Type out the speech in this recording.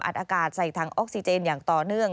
อากาศใส่ถังออกซิเจนอย่างต่อเนื่อง